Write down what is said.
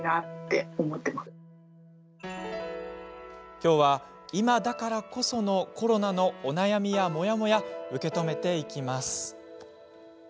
きょうは、今だからこそのコロナのお悩みやモヤモヤ受け止めていきます。